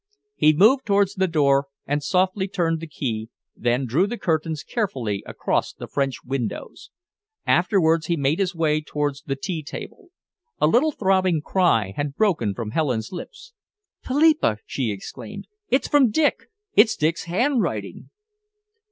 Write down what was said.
He moved towards the door and softly turned the key, then he drew the curtains carefully across the French windows. Afterwards he made his way towards the tea table. A little throbbing cry had broken from Helen's lips. "Philippa," she exclaimed, "it's from Dick! It's Dick's handwriting!"